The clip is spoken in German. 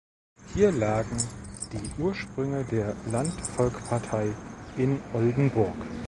Hier lagen die Ursprünge der Landvolkpartei in Oldenburg.